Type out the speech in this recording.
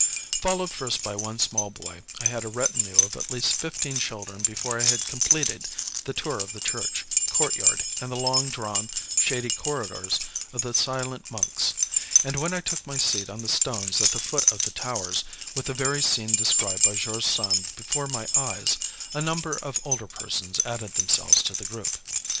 Followed first by one small boy, I had a retinue of at least fifteen children before I had completed the tour of the church, court yard, and the long drawn, shady corridors of the silent monks; and when I took my seat on the stones at the foot of the towers, with the very scene described by George Sand before my eyes, a number of older persons added themselves to the group.